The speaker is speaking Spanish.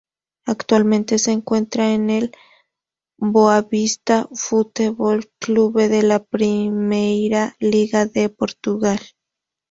Actualmente se encuentra en el Boavista Futebol Clube de la Primeira Liga de Portugal.